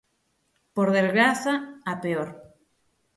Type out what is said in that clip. ¡Por desgraza, a peor!